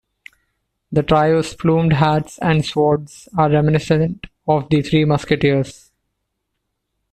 The trio's plumed hats and swords are reminiscent of the Three Musketeers.